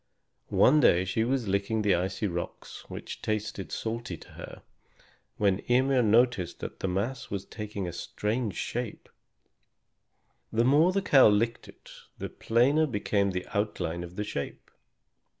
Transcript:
One day she was licking the icy rocks, which tasted salty to her, when Ymir noticed that the mass was taking a strange shape. The more the cow licked it, the plainer became the outline of the shape.